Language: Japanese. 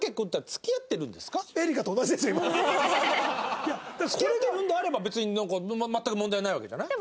付き合ってるんであれば別に全く問題ないわけじゃない？